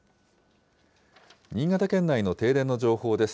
新潟県内の停電の情報です。